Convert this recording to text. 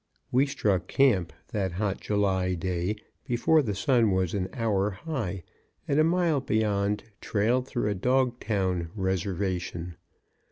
We struck camp, that hot July day, before the sun was an hour high, and a mile beyond trailed through a dog town reservation.